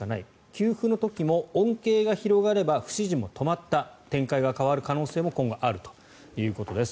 給付の時も恩恵が広がれば不支持も止まった展開が変わる可能性も今後あるということです。